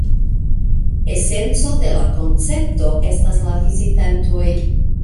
Esenco de la koncepto estas la vizitantoj.